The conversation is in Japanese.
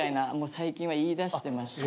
最近は言い出してまして。